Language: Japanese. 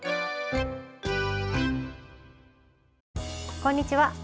こんにちは。